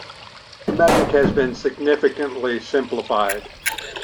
The magic has been significantly simplified.